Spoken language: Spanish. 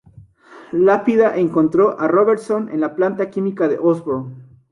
Lápida encontró a Robertson en la planta química de Osborn.